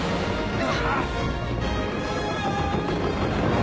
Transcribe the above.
あ！